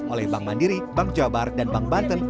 oleh bank mandiri bank jabar dan bank banten